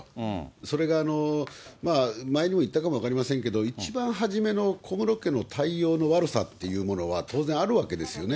それが、前にも言ったかも分かりませんけれども、一番初めの小室家の対応の悪さっていうものは、当然あるわけですよね。